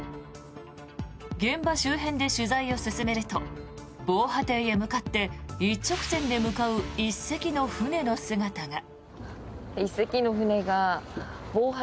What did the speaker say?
現場周辺で取材を進めると防波堤へ向かって一直線で向かう１隻の船の姿が。